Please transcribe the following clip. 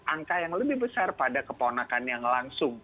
angka yang lebih besar pada keponakan yang langsung